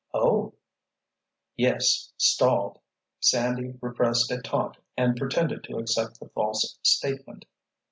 "Oh!" Yes—stalled! Sandy repressed a taunt and pretended to accept the false statement.